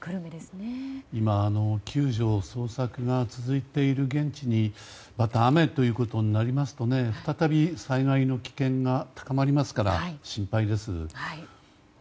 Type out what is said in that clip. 今、救助・捜索が続いている現地にまた雨ということになりますと再び災害の危険が高まりますから心配です。